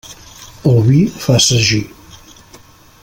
El vi fa sagí.